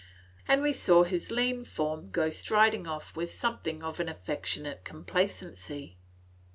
And we saw his lean form go striding off with something of an affectionate complacency.